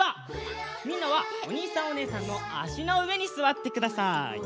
みんなはおにいさんおねえさんのあしのうえにすわってください。